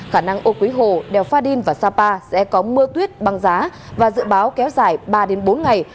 khả năng ô quý hồ đèo pha đin và sapa sẽ có mưa tuyết băng giá và dự báo kéo dài ba bốn ngày